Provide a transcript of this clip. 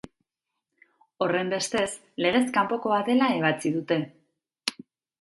Horrenbestez, legez kanpokoa dela ebatzi dute.